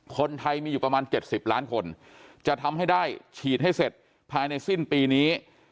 คนไทยมีอยู่ประมาณ๗๐ล้านคนจะทำให้ได้ฉีดให้เสร็จภายในสิ้นปีนี้